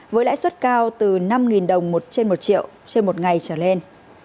với lãi suất cao từ năm đồng trên một triệu đồng trên một ngày trở lên